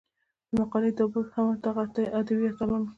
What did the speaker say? د مقالې دا باب هم دغه ادبي اتلانو